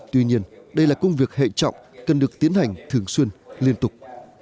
tuy nhiên đây là công việc hệ trọng cần được tiến hành thường xuyên liên tục